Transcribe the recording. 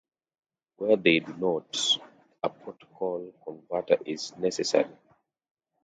Where they do not, a protocol converter is necessary.